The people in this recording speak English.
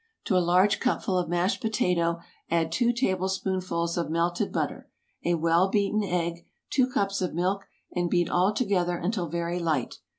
To a large cupful of mashed potato add two tablespoonfuls of melted butter, a well beaten egg, two cups of milk, and beat all together until very light.